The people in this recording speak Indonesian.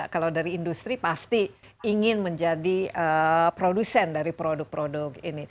kalau dari industri pasti ingin menjadi produsen dari produk produk ini